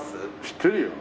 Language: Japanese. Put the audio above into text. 知ってるよ。